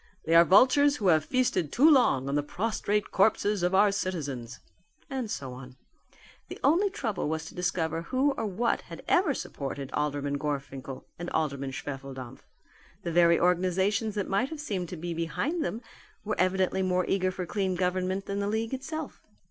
They are vultures who have feasted too long on the prostrate corpses of our citizens." And so on. The only trouble was to discover who or what had ever supported Alderman Gorfinkel and Alderman Schwefeldampf. The very organizations that might have seemed to be behind them were evidently more eager for clean government than the league itself.